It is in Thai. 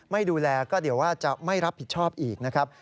ไม่ดูแลก็เดี๋ยวว่าจะไม่รับผิดชอบอีกนะครับ